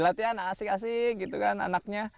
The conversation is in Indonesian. latihan asik asik gitu kan anaknya